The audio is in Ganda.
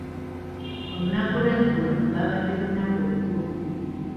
Olunaku lw'eggulo lwabadde lunaku lukulu.